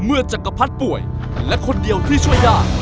เมื่อจังกภัทรป่วยและคนเดียวที่ช่วยยาก